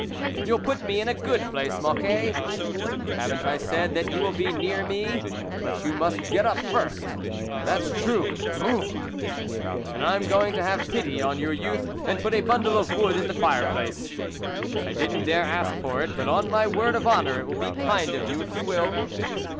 " You'll put me in a good place, Mocquet ?"" Haven't I said that you will be near me ; but you must get up first." " That's true Brrou !"" And I am going to have pity on your youth and put a bundle of wood in the fire place." ;" I didn't dare ask for it ; but, on my word of honour, it will be kind of you if you will."